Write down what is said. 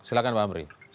silakan pak amri